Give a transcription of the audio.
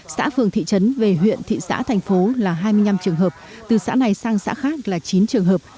xã phường thị trấn về huyện thị xã thành phố là hai mươi năm trường hợp từ xã này sang xã khác là chín trường hợp